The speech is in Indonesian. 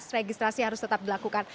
registrasi harus tetap dilakukan